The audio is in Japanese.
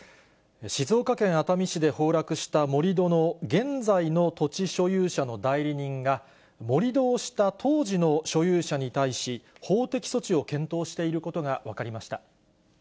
静岡県熱海市で崩落した盛り土の現在の土地所有者の代理人が、盛り土をした当時の所有者に対し、法的措置を検討していることが分かりました。